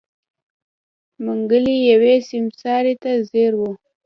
منګلی يوې سيمسارې ته ځير و.